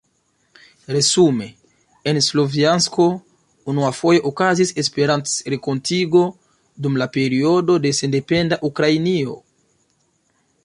Resume, en Slovjansko unuafoje okazis Esperanto-renkontigo dum la periodo de sendependa Ukrainio.